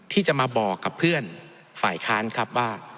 ที่จะมาบอกกับเพื่อนฝ่ายค้านครับว่า